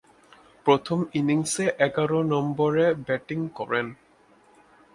প্রথম ইনিংসে এগারো নম্বরে ব্যাটিং করেন।